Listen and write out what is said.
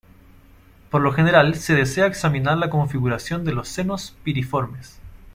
Por lo general se desea examinar la configuración de los senos piriformes.